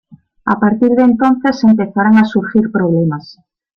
A partir de entonces empezarán a surgir problemas.